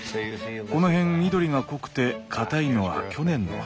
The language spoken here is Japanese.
この辺緑が濃くてかたいのは去年の葉っぱ。